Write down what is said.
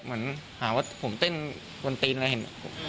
เหมือนหาว่าผมเต้นบนตีนอะไรเห็น